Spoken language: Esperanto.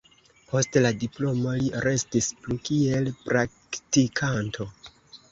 Post la diplomo li restis plu kiel praktikanto.